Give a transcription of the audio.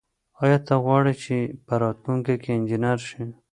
آیا ته غواړې چې په راتلونکي کې انجنیر شې؟